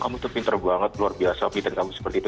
kamu tuh pinter banget luar biasa pinter kamu seperti itu